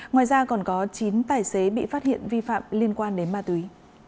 ngoài ra còn có chín tài xế bị phát hiện vi phạm liên quan đến ma túy